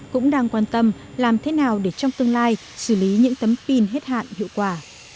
cũng đang quan tâm làm thế nào để trong tương lai xử lý những tấm pin hết hạn hiệu quả